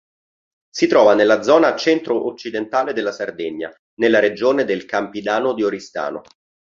Si trova nella zona centro occidentale della Sardegna, nella regione del Campidano di Oristano.